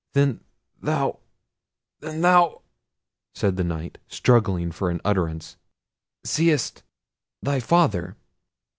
"Then thou—then thou"—said the Knight, struggling for utterance—"seest—thy father.